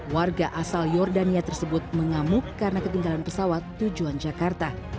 warga asal jordania tersebut mengamuk karena ketinggalan pesawat tujuan jakarta